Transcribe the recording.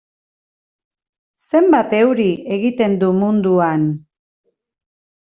Zenbat euri egiten du munduan?